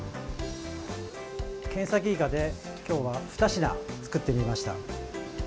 ケンサキイカで今日は２品作ってみました。